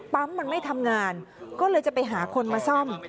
มันไม่ทำงานก็เลยจะไปหาคนมาซ่อม